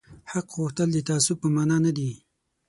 حق غوښتل د تعصب په مانا نه دي